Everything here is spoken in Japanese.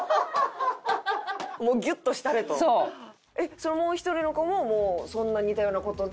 そのもう１人の子ももうそんな似たような事で。